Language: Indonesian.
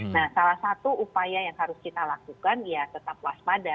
nah salah satu upaya yang harus kita lakukan ya tetap waspada